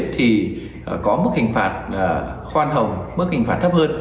thì có mức hình phạt khoan hồng mức hình phạt thấp hơn